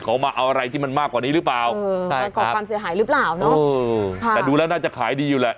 ขอมาเอาอะไรที่มันมากกว่านี้หรือเปล่าแต่ดูแล้วน่าจะขายดีอยู่แหละ